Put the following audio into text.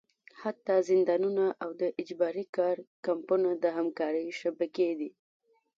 حتی زندانونه او د اجباري کار کمپونه د همکارۍ شبکې دي.